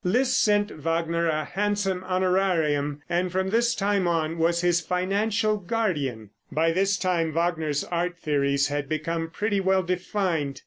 Liszt sent Wagner a handsome honorarium, and from this time on was his financial guardian. By this time Wagner's art theories had become pretty well defined.